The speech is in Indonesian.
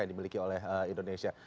yang dimiliki oleh indonesia